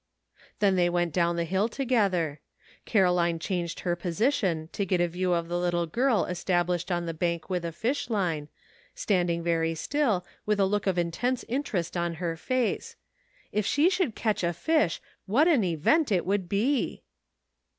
Then they went down the hill together. Caroline changed her position to get a view of the little girl established on the bank with a fish line, standing very still, with a look of in tense interest on her face. If she should catch a fish what an event it would be